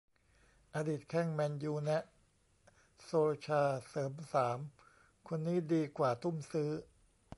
อดีตแข้ง แมนยู แนะ โซลชาร์ เสริม สาม คนนี้ดีกว่าทุ่มซื้อ